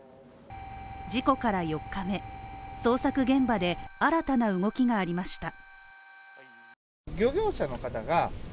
事故から４日目、捜索現場で新たな動きがありました。